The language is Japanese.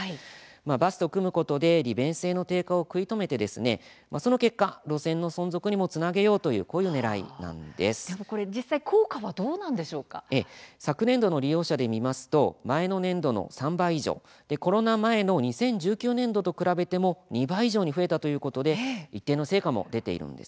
バスと組むことで利便性の低下を食い止めてその結果路線の存続にもつなげよう実際、効果は昨年度の利用者で見ますと前の年度の３倍以上コロナ前の２０１９年度と比べても２倍以上に増えたということで一定の成果も出ています。